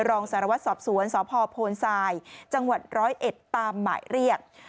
รองสารวัตรสอบสวนสพโพนทรายจังหวัด๑๐๑ตามหมายเรียก